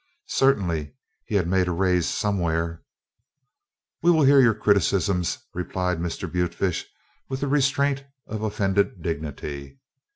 Certainly he had made a raise somewhere! "We will hear your criticisms," replied Mr. Butefish, with the restraint of offended dignity.